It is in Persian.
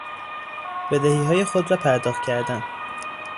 بدهیهای خود را پرداخت کردن